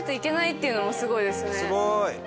すごーい！